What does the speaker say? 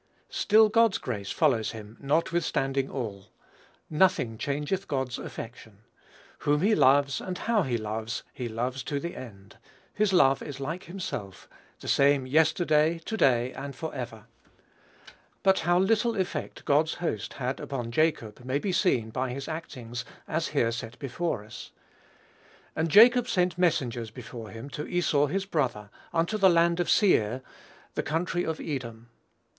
Still God's grace follows him, notwithstanding all. "Nothing changeth God's affection." Whom he loves, and how he loves, he loves to the end. His love is like himself, "the same yesterday, to day, and forever." But how little effect "God's host" had upon Jacob may be seen by his actings as here set before us. "And Jacob sent messengers before him to Esau his brother, unto the land of Seir, the country of Edom."